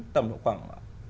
tầm độ khoảng năm mươi sáu mươi